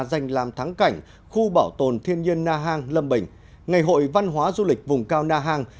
danh làm thắng cảnh khu bảo tồn thiên nhiên na hàng lâm bình ngày hội văn hóa du lịch vùng cao na hàng